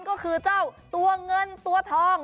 ก็คือเจ้าตัวเงินตัวทอง